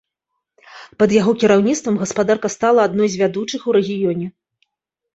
Пад яго кіраўніцтвам гаспадарка стала адной з вядучых у рэгіёне.